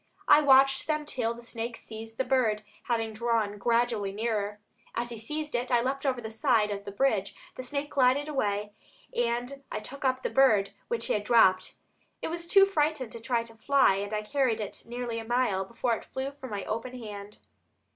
I watched them till the snake seized the bird, having gradually drawn nearer. As he seized it, I leaped over the side of the bridge; the snake glided away and I took up the bird, which he had dropped. It was too frightened to try to fly and I carried it nearly a mile before it flew from my open hand."